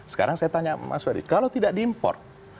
sekarang saya tanya mas ferry kalau tidak diimport